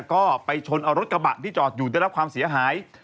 ก็ไปชนเอารถกระบะที่จอดอยู่ได้รับความเสียหาย